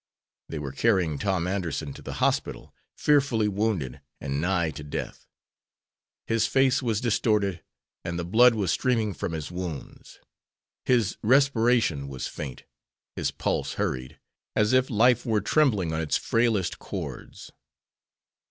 They were carrying Tom Anderson to the hospital, fearfully wounded, and nigh to death. His face was distorted, and the blood was streaming from his wounds. His respiration was faint, his pulse hurried, as if life were trembling on its frailest cords.